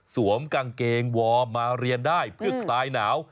สวมกางเกงวอร์มมาเรียนได้เพื่อคลายหนาว